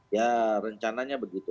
ya rencananya begitu